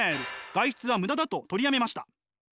外出はムダだと取りやめました。